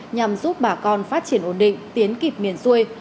nhằm giúp bà con phát triển ổn định tiến kịp miền xuôi